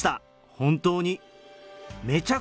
本当に。